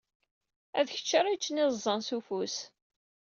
D kečč ara yeččen iẓẓan s ufus.